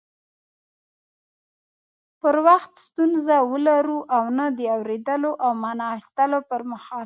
پر وخت ستونزه ولرو او نه د اوريدلو او معنی اخستلو پر مهال